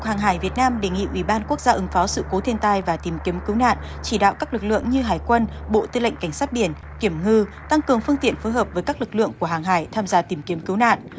hàng hải việt nam đề nghị ủy ban quốc gia ứng phó sự cố thiên tai và tìm kiếm cứu nạn chỉ đạo các lực lượng như hải quân bộ tư lệnh cảnh sát biển kiểm ngư tăng cường phương tiện phối hợp với các lực lượng của hàng hải tham gia tìm kiếm cứu nạn